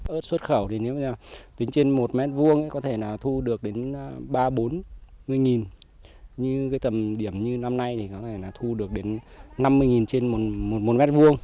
ở xuất khẩu thì nếu như là tính trên một mét vuông có thể là thu được đến ba bốn nghìn như cái tầm điểm như năm nay thì có thể là thu được đến năm mươi nghìn trên một mét vuông